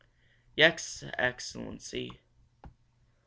"Yes, excellency."